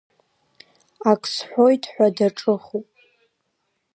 Ак сҳәоит ҳәа даҿыхуп.